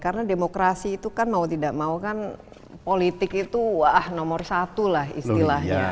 karena demokrasi itu kan mau tidak mau kan politik itu wah nomor satu lah istilahnya